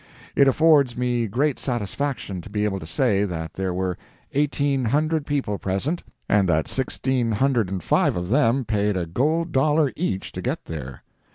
It affords me great satisfaction to be able to say that there were eighteen hundred people present, and that sixteen hundred and five of them paid a gold dollar each to get there.